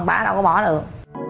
bà đâu có bỏ được